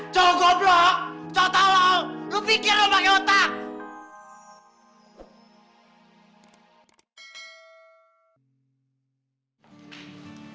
cowok tolong lu pikir lu pake otak